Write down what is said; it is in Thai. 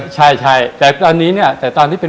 สวัสดีครับผมสวัสดีครับผม